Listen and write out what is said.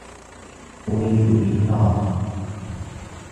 أريد قيثارة.